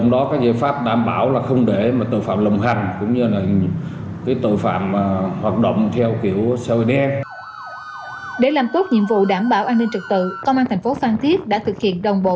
để làm tốt nhiệm vụ đảm bảo an ninh trực tự công an tp phan thiết đã thực hiện đồng bộ